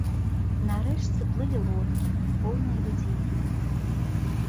На рэчцы плылі лодкі, поўныя людзей.